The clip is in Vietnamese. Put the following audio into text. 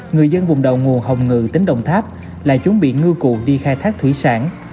người dân vùng đầu nguồn hồng ngự tỉnh đồng tháp lại chuẩn bị ngư cụ đi khai thác thủy sản